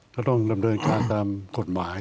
ก็ต้องดำเนินการตามกฎหมาย